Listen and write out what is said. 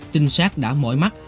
trinh sát đã mỏi mắt